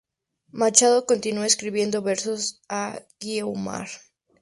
Machado continuó escribiendo versos a Guiomar.